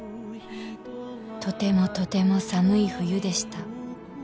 とてもとても寒い冬でした